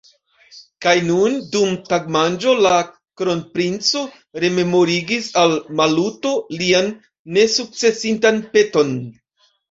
Kaj nun, dum tagmanĝo, la kronprinco rememorigis al Maluto lian nesukcesintan peton.